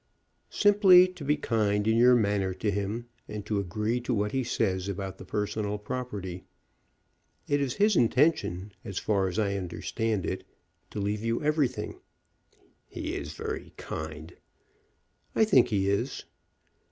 "Simply to be kind in your manner to him, and to agree to what he says about the personal property. It is his intention, as far as I understand it, to leave you everything." "He is very kind." "I think he is."